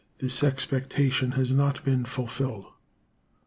This expectation has not been fulfilled.